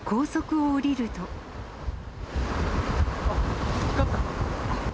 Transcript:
あっ、光った。